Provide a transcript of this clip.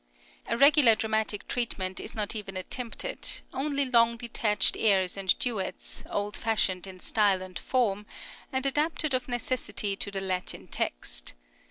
A regular dramatic treatment is not even attempted, only long detached airs and duets, old fashioned in style and form, and adapted of necessity to the Latin text.